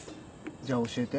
じゃあ教えて。